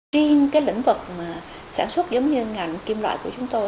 riêng cái lĩnh vực sản xuất giống như ngành kim loại của chúng tôi